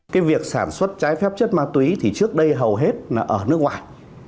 cái việc sản xuất trái phép chất ma túy thì trước đây hầu hết là ở nước ngoài